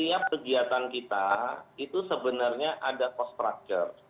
mas yuda dan pemirsa cnn setiap kegiatan kita itu sebenarnya ada cost structure